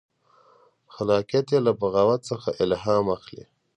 خلاقیت یې له بغاوت څخه الهام اخلي.